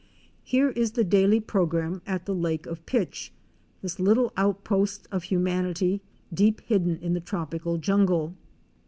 Here is the daily program at the lake of pitch, — this little outpost of humanity, deep hidden in the tropical jungle.